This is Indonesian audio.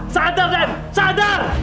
sadar deb sadar